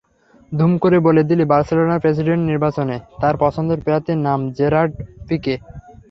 ধুম করে বলে দিলেন বার্সেলোনার প্রেসিডেন্ট নির্বাচনে তাঁর পছন্দের প্রার্থীর নাম—জেরার্ড পিকে।